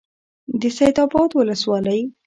د سید آباد ولسوالۍ